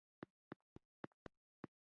پاچا ځایناستی مورثي نه و.